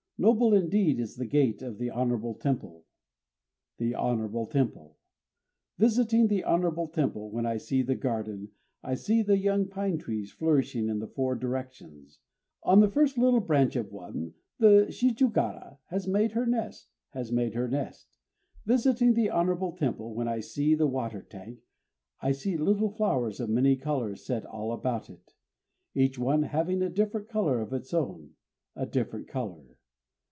Noble indeed is the gate of the honorable temple, The honorable temple! Visiting the honorable temple, when I see the garden, I see young pinetrees flourishing in the four directions: On the first little branch of one the shijûgara has made her nest, Has made her nest. Visiting the honorable temple, when I see the water tank, I see little flowers of many colors set all about it, Each one having a different color of its own, _A different color.